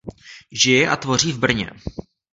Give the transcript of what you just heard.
Žije a tvoří v Brně.